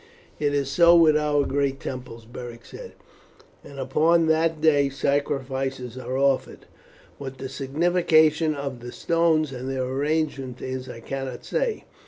"It is so with our great temples," Beric said; "and upon that day sacrifices are offered. What the signification of the stones and their arrangements is I cannot say.